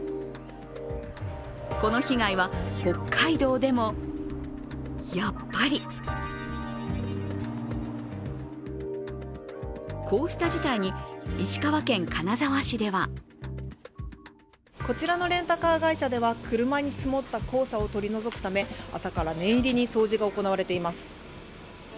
この被害は北海道でもやっぱりこうした事態に、石川県金沢市ではこちらのレンタカー会社では車に積もった黄砂を取り除くため朝から念入りに掃除が行われています。